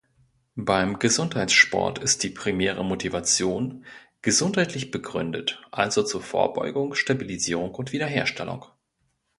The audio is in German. Beim Gesundheitssport ist die primäre Motivation gesundheitlich begründet, also zur Vorbeugung, Stabilisierung und Wiederherstellung.